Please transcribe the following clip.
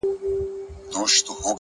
دا ستا چي گراني ستا تصوير په خوب وويني